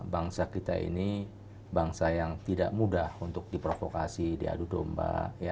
bangsa kita ini bangsa yang tidak mudah untuk diprovokasi diadu domba